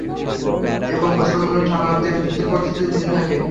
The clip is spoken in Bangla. এবং মুসলমানরা সানন্দে যুদ্ধ-প্রস্তুতি নিতে থাকে।